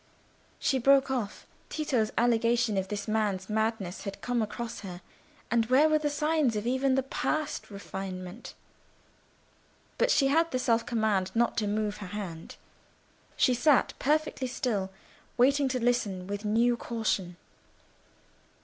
She broke off. Tito's allegation of this man's madness had come across her; and where were the signs even of past refinement? But she had the self command not to move her hand. She sat perfectly still, waiting to listen with new caution.